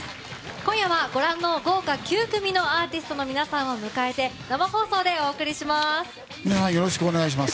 今夜はご覧の豪華９組のアーティストの皆さんを迎えて生放送でお送りします。